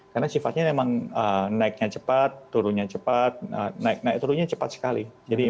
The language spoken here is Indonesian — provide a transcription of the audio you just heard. karena sifatnya memang naiknya cepat turunnya cepat naik naik turunnya cepat sekali